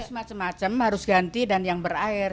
harus macam macam harus ganti dan yang berair